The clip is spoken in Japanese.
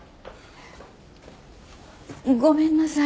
ごめんなさい。